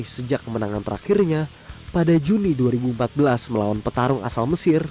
sejak kemenangan terakhirnya pada juni dua ribu empat belas melawan petarung asal mesir